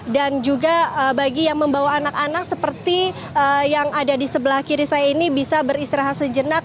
dan juga bagi yang membawa anak anak seperti yang ada di sebelah kiri saya ini bisa beristirahat sejenak